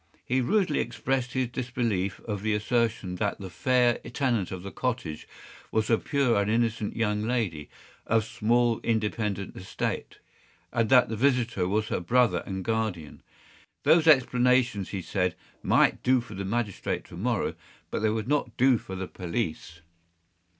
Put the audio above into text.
He rudely expressed his disbelief of the assertion that the fair tenant of the cottage was a pure and innocent young lady, of small independent estate, and that the visitor was her brother and guardian. Those explanations, he said, might do for the magistrate to morrow, but they would not do for the police.